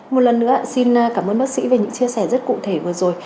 một lần nữa xin cảm ơn bác sĩ về những chia sẻ rất cụ thể vừa rồi